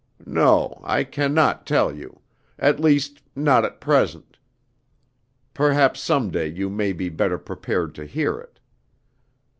No, I can not tell you; at least, not at present; perhaps some day you may be better prepared to hear it."